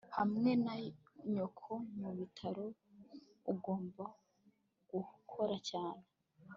hamwe na nyoko mubitaro, ugomba gukora cyane